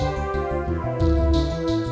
saya juga bers dorong